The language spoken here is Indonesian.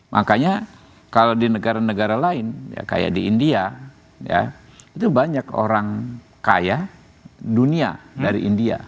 makanya kalau di negara negara lain kayak di india itu banyak orang kaya dunia dari india